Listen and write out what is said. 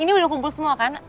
ini udah kumpul semua kan